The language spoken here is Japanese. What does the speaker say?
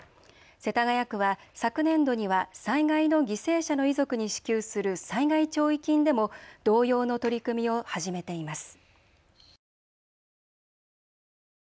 世田谷区は昨年度には災害の犠牲者の遺族に支給する災害弔慰金でも同様の取り組みを始めています。